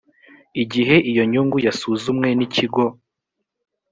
igihe iyo nyungu yasuzumwe n’ikigo